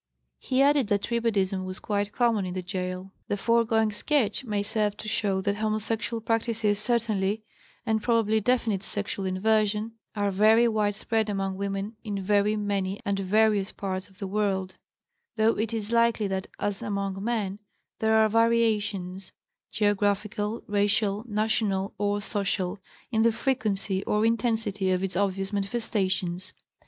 He added that tribadism was 'quite common in the gaol.'" The foregoing sketch may serve to show that homosexual practices certainly, and probably definite sexual inversion, are very widespread among women in very many and various parts of the world, though it is likely that, as among men, there are variations geographical, racial, national, or social in the frequency or intensity of its obvious manifestations.